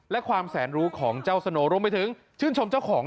และความแสนรู้ของเจ้าสโนรวมไปถึงชื่นชมเจ้าของ